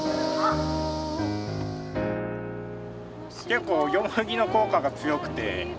結構ヨモギの効果が強くて。